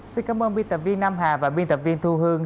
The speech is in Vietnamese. xin cảm ơn biên tập viên nam hà và biên tập viên thu hương